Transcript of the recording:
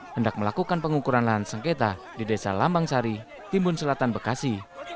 hendak melakukan pengukuran lahan sengketa di desa lambang sari timbun selatan bekasi